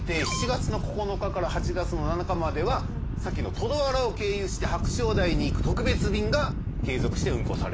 ７月９日から８月７日まではさっきのトドワラを経由して白鳥台に行く特別便が継続して運行されると。